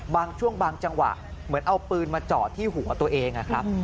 บางช่วงบางจังหวะเหมือนเอาปืนมาเจาะที่หัวตัวเองนะครับ